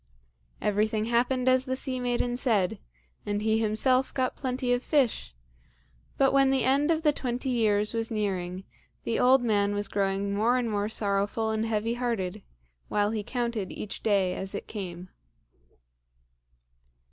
Everything happened as the sea maiden said, and he himself got plenty of fish; but when the end of the twenty years was nearing, the old man was growing more and more sorrowful and heavy hearted, while he counted each day as it came.